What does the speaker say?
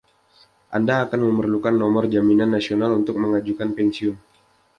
Anda akan memerlukan Nomor Jaminan Nasional untuk mengajukan pensiun.